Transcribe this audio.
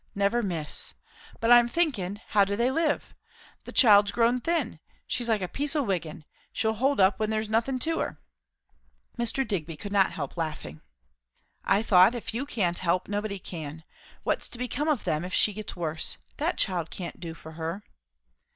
never miss. But I'm thinkin' how do they live? That child's grown thin she's like a piece o' wiggin'; she'll hold up when there's nothin' to her." Mr. Digby could not help laughing. "I thought, if you can't help, nobody can. What's to become of them if she gets worse? That child can't do for her."